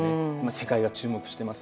世界が注目しています。